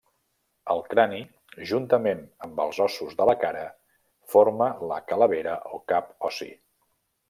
El crani, juntament amb els ossos de la cara, forma la calavera o cap ossi.